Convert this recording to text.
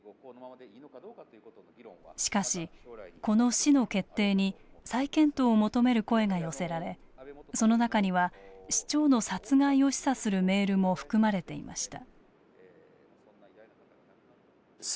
しかしこの市の決定に再検討を求める声が寄せられその中には市長の殺害を示唆するメールも含まれていました。